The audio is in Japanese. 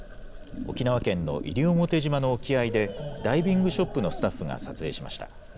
沖縄県の西表島の沖合で、ダイビングショップのスタッフが撮影しました。